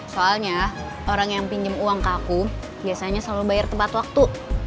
soalnya orang yang pinjam uang ke aku biasanya selalu bayar tepat waktu